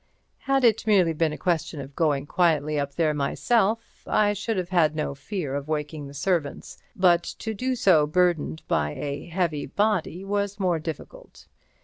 Had it merely been a question of going quietly up there myself, I should have had no fear of waking the servants, but to do so burdened by a heavy body was more difficult.